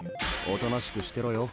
「おとなしくしてろよ」